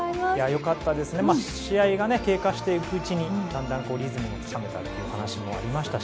試合が経過して行くうちにだんだんリズムがつかめたという話もありましたし